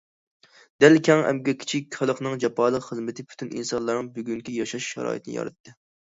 دەل كەڭ ئەمگەكچى خەلقنىڭ جاپالىق خىزمىتى پۈتۈن ئىنسانلارنىڭ بۈگۈنكى ياشاش شارائىتىنى ياراتتى.